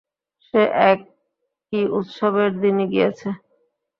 সে এক কী উৎসবের দিনই গিয়াছে।